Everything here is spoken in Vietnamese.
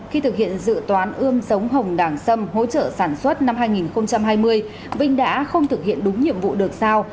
khi thực hiện dự toán ươm sống hồng đảng sâm hỗ trợ sản xuất năm hai nghìn hai mươi vinh đã không thực hiện đúng nhiệm vụ được sao